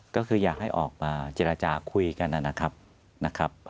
ก็คืออยากให้ออกมาเจรจาคุยกันนะครับ